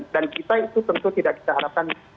dan kita itu tentu tidak kita harapkan